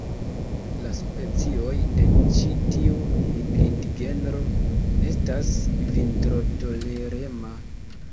La specioj de ĉi tiu hibridgenro estas vintrotolerema.